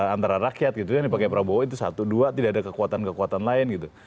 antara rakyat gitu yang dipakai prabowo itu satu dua tidak ada kekuatan kekuatan lain gitu